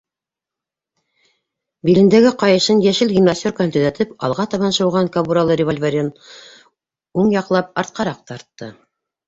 Билендәге ҡайышын, йәшел гимнастеркаһын төҙәтеп, алға табан шыуған кабуралы револьверын уң яҡлап артҡараҡ тартты.